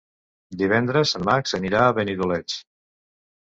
Divendres en Max anirà a Benidoleig.